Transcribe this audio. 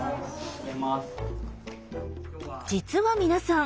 実は皆さん